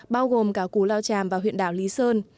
bao gồm cả cú lao tràm và huyện đảo lý sơn